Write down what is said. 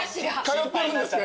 通ってるんですね。